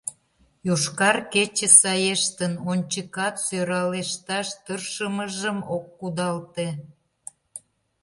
«Йошкар кече» саештын, ончыкат сӧралешташ тыршымыжым ок кудалте.